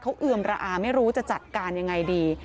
เขาเอือมระอาไม่รู้จะจัดการยังไงดี